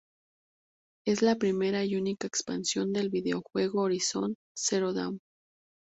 Es la primera y única expansión del videojuego "Horizon Zero Dawn".